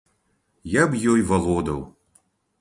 Я б ёй валодаў.